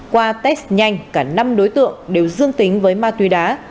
qua test nhanh cả năm đối tượng đều dương tính với ma túy đá